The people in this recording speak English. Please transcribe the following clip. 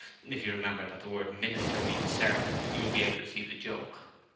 If you remember that the word "minister" means "servant" you will be able to see the joke.